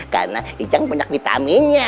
karena ikan banyak vitaminnya